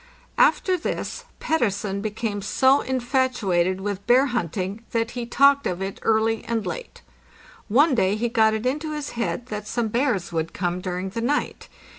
After this Pettersen became so infatuated with bear hunting that he talked of it early and late. One day he got it into his head that some bears would come during the night.